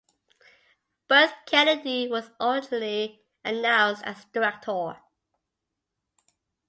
Burt Kennedy was originally announced as director.